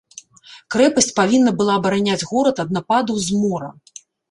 Крэпасць павінна была абараняць горад ад нападаў з мора.